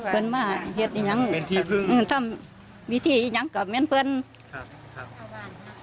เพื่อนมาเห็นยังเป็นที่พึ่งอืมทำวิธียังกะเมียนเพื่อนครับครับ